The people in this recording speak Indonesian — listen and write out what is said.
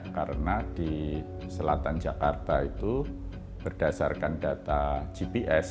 karena di selatan jakarta itu berdasarkan data gps